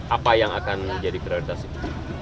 apa yang akan jadi prioritas itu